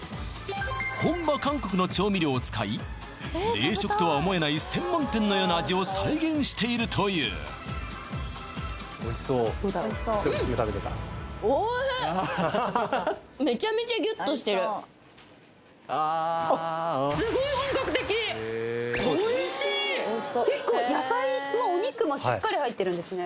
本場韓国の調味料を使い冷食とは思えない専門店のような味を再現しているという・おいしそうどうだろうめちゃめちゃギュッとしてるおいしい結構野菜もお肉もしっかり入ってるんですね